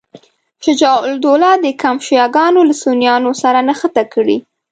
شجاع الدوله د کمپ شیعه ګانو له سنیانو سره نښته کړې.